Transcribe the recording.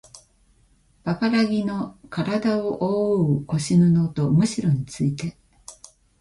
パパラギのからだをおおう腰布とむしろについて